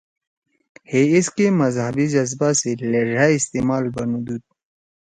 ہے ایسکے مذہبی جذبہ سی لھیڙأ استعمال بنُودُود